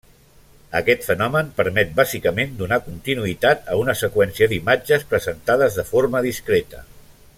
Aquest fenomen permet bàsicament donar continuïtat a una seqüència d'imatges presentades de forma discreta.